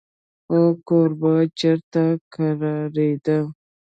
خو کوربه چېرته کرارېده.